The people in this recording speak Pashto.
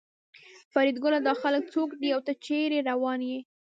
فریدګله دا خلک څوک دي او ته چېرې روان یې